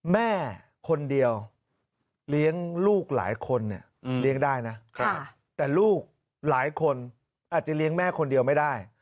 แม่คนเดียวเลี้ยงลูกหลายคนเนี่ยเลี้ยงได้นะแต่ลูกหลายคนอาจจะเลี้ยงแม่คนเดียวไม่ได้